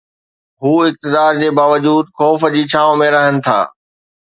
هو اقتدار جي باوجود خوف جي ڇانو ۾ رهن ٿا.